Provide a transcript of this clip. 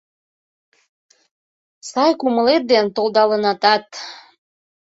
Сай кумылет ден толдалынатат